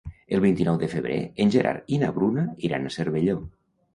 El vint-i-nou de febrer en Gerard i na Bruna iran a Cervelló.